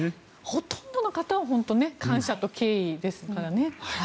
ほとんどの方は感謝と敬意ですからね。